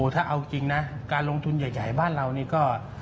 ถ้าเอาจริงนะการลงทุนใหญ่บ้านเรานี่ก็